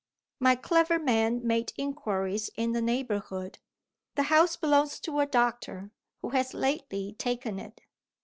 My clever man made inquiries in the neighbourhood. The house belongs to a doctor, who has lately taken it.